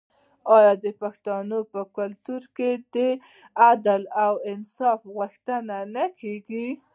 آیا د پښتنو په کلتور کې د عدل او انصاف غوښتنه نه کیږي؟